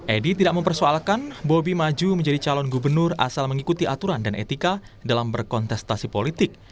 edi tidak mempersoalkan bobi maju menjadi calon gubernur asal mengikuti aturan dan etika dalam berkontestasi politik